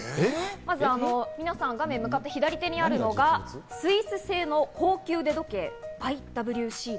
皆さんの画面向かって左手にあるのがスイス製の高級腕時計、ＩＷＣ。